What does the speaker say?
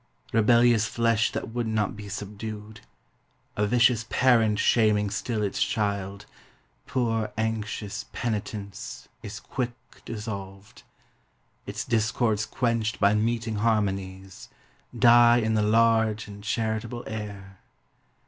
Rebellious flesh that would not be subdued, A vicious parent shaming still its child. Poor anxious penitence, is quick dissolved; Its discords quenched by meeting harmonies, Die in the large and charitable air.